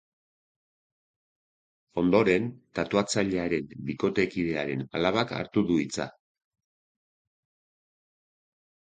Ondoren tatuatzailearen bikotekidearen alabak hartu du hitza.